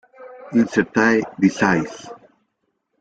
Incertae sedis